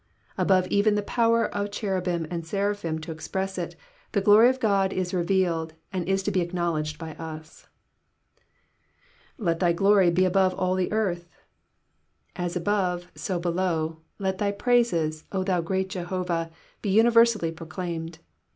Above even the power of cheru bim and seraphim to express it, the glory of God is revealed and is to be acknowledged by us. ^^Let thy glory be above all the earth."* ^ As above, so below, let thy praises, O thou great Jehovah, be universally proclaimed.